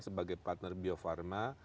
sebagai partner bio farma